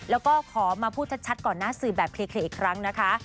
แล้วก็ขอมาพูดชัดก่อนหน้าสื่อแบบเคอีกครั้งนะคะ